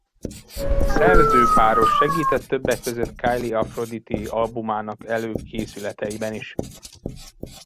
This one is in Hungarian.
A szerzőpáros segített többek között Kylie Aphrodite albumának előkészületeiben is.